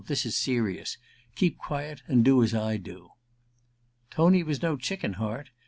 This is serious. Keep quiet and do as I tell you.' Tony was no chicken heart.